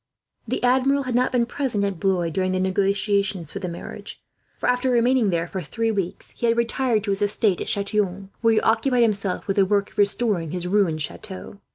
The Admiral had not been present at Blois during the negotiations for the marriage, for after remaining there for three weeks he had retired to his estate at Chatillon, where he occupied himself with the work of restoring his ruined chateau.